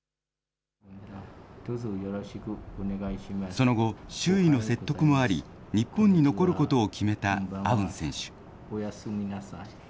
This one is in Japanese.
その後、周囲の説得もあり、日本に残ることを決めたアウン選手。